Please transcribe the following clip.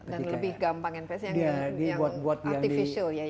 dan lebih gampang nps yang artificial